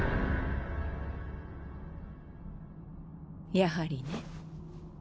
やはりね。